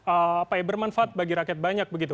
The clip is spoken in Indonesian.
apa ya bermanfaat bagi rakyat banyak begitu